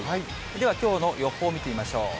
ではきょうの予報見てみましょう。